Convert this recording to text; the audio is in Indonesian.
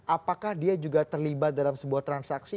apakah dia juga terlibat dalam sebuah transaksi